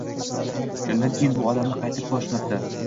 Shundan keyin bu odamni qaytib ko‘rishmabdi.